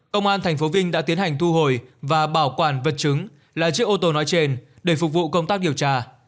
công an tp vinh đã tiến hành thu hồi và bảo quản vật chứng là chiếc ô tô nói trên để phục vụ công tác điều tra